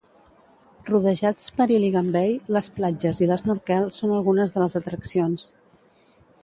Rodejats per Iligan Bay, les platges i l"esnorquel són algunes de les atraccions.